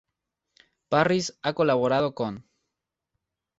Parrish ha colaborado con